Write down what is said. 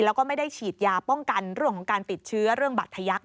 แล้วก็ไม่ได้ฉีดยาป้องกันเรื่องของการติดเชื้อเรื่องบัตรทยักษ